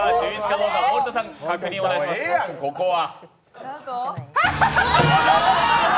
もうええやん、ここは。